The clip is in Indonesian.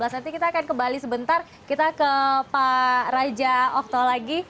nanti kita akan kembali sebentar kita ke pak raja okto lagi